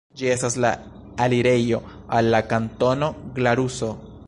Ĝi estas la alirejo al la Kantono Glaruso.